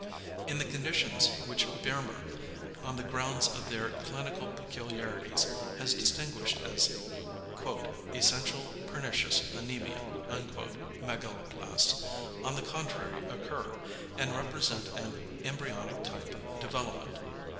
In the conditions, which Biermer, on the grounds of their clinical peculiarities, has distinguished as "essential, pernicious anæmia" megaloblasts on the contrary occur, and represent an embryonic type of development.